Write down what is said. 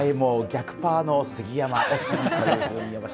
逆パーの杉山。